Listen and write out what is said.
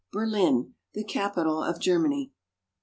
BERLIN — THE CAPITAL OF GERMANY.